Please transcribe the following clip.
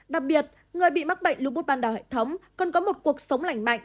đặc biệt người bị mắc bệnh lưu bút ban đảo hệ thống còn có một cuộc sống lảnh mạnh